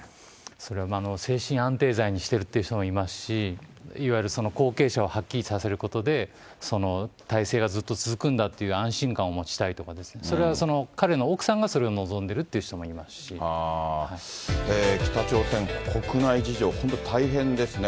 それは精神安定剤にしているって言う人もいますし、いわゆる後継者をはっきりさせることで、体制がずっと続くんだという安心感を持ちたいとかですね、それは彼の奥さんがそれを望んでるって猫砂替えたばかりなのにもうニオう？